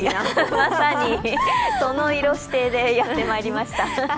まさに、その色指定でやってまいりました。